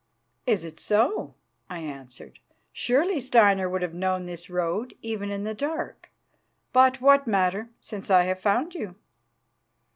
"Is it so?" I answered. "Surely Steinar would have known this road even in the dark. But what matter, since I have found you?"